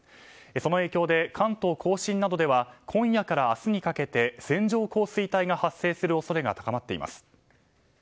その影響で関東・甲信などでは今夜から明日にかけて線状降水帯が発生する恐れが高まっています。